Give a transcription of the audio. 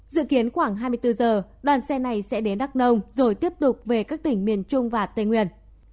dự kiến khoảng hai mươi bốn giờ đoàn xe này sẽ đến đắk nông rồi tiếp tục về các tỉnh miền trung và tây nguyên